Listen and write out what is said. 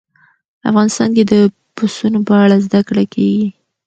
افغانستان کې د پسونو په اړه زده کړه کېږي.